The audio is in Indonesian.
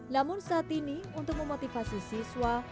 namun saat ini untuk memotivasi siswa